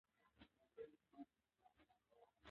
د افغانستان په جغرافیه کې زردالو ستر اهمیت لري.